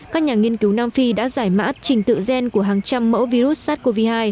các nhà nghiên cứu nam phi đã giải mã trình tự gen của hàng trăm mẫu virus sars cov hai